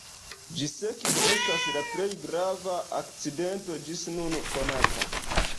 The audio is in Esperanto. Ĝi sekve estas la plej grava akcidento ĝis nun konata.